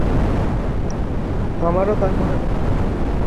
আমারো তাই মনে হচ্ছে।